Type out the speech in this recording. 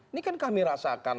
ini kan kami rasakan